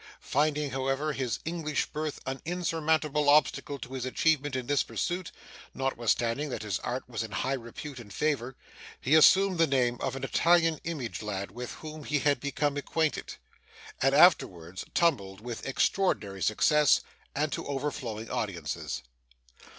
Finding, however, his English birth an insurmountable obstacle to his advancement in this pursuit (notwithstanding that his art was in high repute and favour), he assumed the name of an Italian image lad, with whom he had become acquainted; and afterwards tumbled with extraordinary success, and to overflowing audiences.